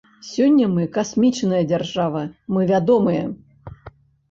Сёння мы касмічная дзяржава, мы вядомыя.